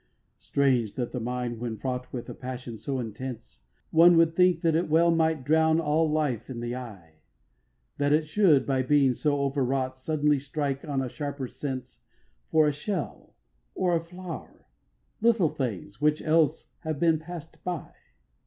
8. Strange, that the mind, when fraught With a passion so intense One would think that it well Might drown all life in the eye, That it should, by being so overwrought, Suddenly strike on a sharper sense For a shell, or a flower, little things Which else would have been past by!